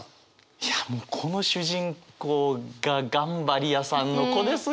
いやもうこの主人公が頑張り屋さんの子ですよね！